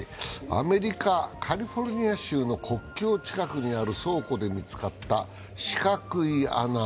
アメリカ・カリフォルニア州の国境近くにある倉庫で見つかった四角い穴。